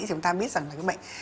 thì chúng ta biết rằng là cái bệnh